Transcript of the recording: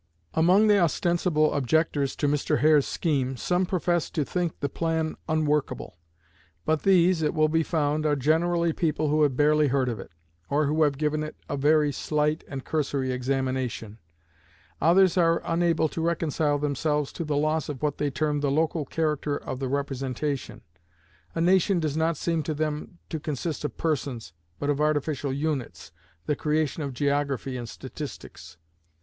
Among the ostensible objectors to Mr. Hare's scheme, some profess to think the plan unworkable; but these, it will be found, are generally people who have barely heard of it, or have given it a very slight and cursory examination. Others are unable to reconcile themselves to the loss of what they term the local character of the representation. A nation does not seem to them to consist of persons, but of artificial units, the creation of geography and statistics.